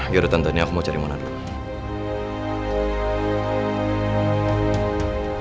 ya udah tentu nih aku mau cari mona dulu